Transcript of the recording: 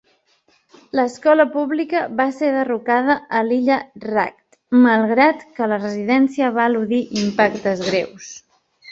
L'escola pública va ser derrocada a l'illa Ragged, malgrat que la residència va eludir impactes greus.